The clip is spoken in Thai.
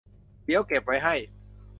เดี๋ยวเก็บไว้ให้